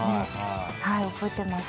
はい覚えてます。